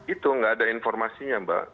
itu nggak ada informasinya mbak